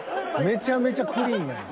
めちゃめちゃクリーンやねん。